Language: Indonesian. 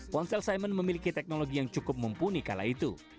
ponsel simon memiliki teknologi yang cukup mumpuni kala itu